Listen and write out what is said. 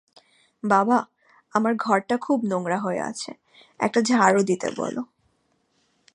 বাবা, আমার ঘরটা খুব নোংরা হয়ে আছে, একটা ঝাড়ু দিতে বলো।